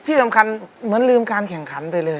ที่สำคัญเหมือนลืมการแข่งขันไปเลย